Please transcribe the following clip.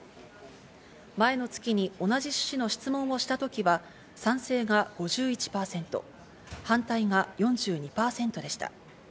前の月に同じ趣旨の質問をした時は賛成が５１％、反対が４３％でした。